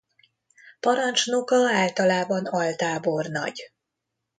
Parancsnoka általában altábornagy.